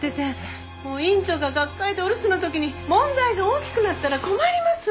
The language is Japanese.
もう院長が学会でお留守の時に問題が大きくなったら困ります。